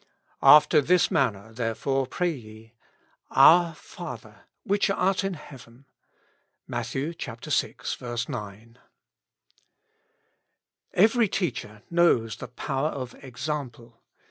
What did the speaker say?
After this manner therefore pray ye: Our Father which art in heaven. — Matt. VI. 9. EVERY teacher knows the power of example.